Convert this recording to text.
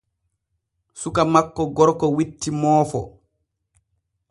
Suka makko gorko witti moofo.